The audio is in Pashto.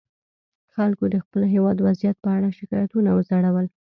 خلکو د خپل هېواد وضعیت په اړه شکایتونه وځړول.